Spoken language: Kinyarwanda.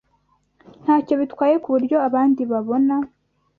Ntacyo bitwaye kubyo abandi babona